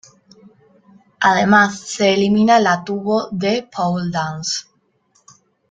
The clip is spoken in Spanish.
Además se elimina la tubo de pole dance.